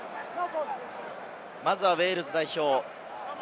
まずはウェールズ代表。